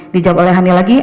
dijawab oleh hany lagi